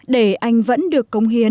để anh vẫn được công hiến